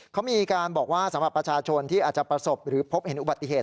เขามีการบอกว่าสำหรับประชาชนที่อาจจะประสบหรือพบเห็นอุบัติเหตุ